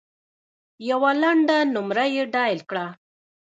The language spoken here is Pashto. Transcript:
یوه لنډه نمره یې ډایل کړه .